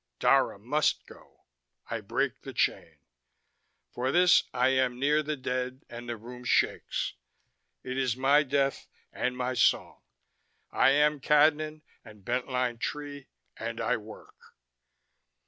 Dara must go. I break the chain. For this I am near the dead and the room shakes. It is my death and my song. I am Cadnan and Bent Line Tree and I work."